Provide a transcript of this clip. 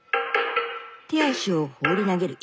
手足を放り投げる。